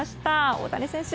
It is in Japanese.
大谷選手